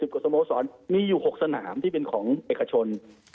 กว่าสโมสรมีอยู่๖สนามที่เป็นของเอกชน